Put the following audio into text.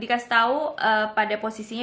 dikasih tau pada posisinya